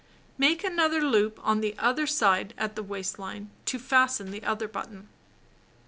Make another loop on other side at waist line to fasten the other button.